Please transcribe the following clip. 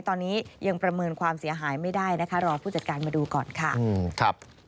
ตอนนี้ยังประเมินความเสียหายไม่ได้นะคะรอผู้จัดการมาดูก่อนค่ะ